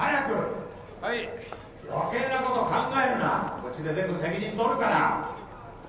こっちで全部責任取るから。